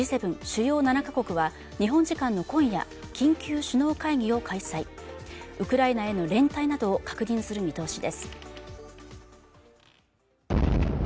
Ｇ７＝主要７か国は日本時間の今夜、緊急首脳会議を開催、ウクライナへの連帯などを確認する見通しです。